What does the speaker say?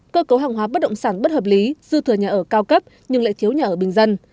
cơ cấu hàng hóa bất động sản bất hợp lý dư thừa nhà ở cao cấp nhưng lại thiếu nhà ở bình dân